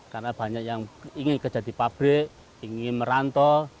karena banyak yang ingin kerja di pabrik ingin merantau